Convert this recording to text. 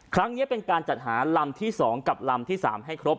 ครั้งนี้เป็นการจัดหาลำที่๒กับลำที่๓ให้ครบ